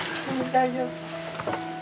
大丈夫。